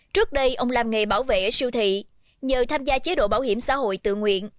trước đây ông làm nghề bảo vệ ở siêu thị nhờ tham gia chế độ bảo hiểm xã hội tự nguyện